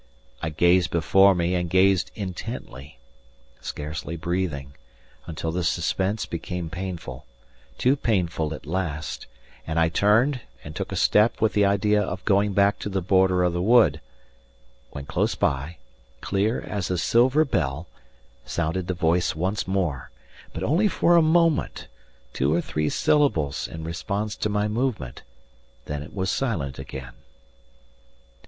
I gazed before me and listened intently, scarcely breathing, until the suspense became painful too painful at last, and I turned and took a step with the idea of going back to the border of the wood, when close by, clear as a silver bell, sounded the voice once more, but only for a moment two or three syllables in response to my movement, then it was silent again.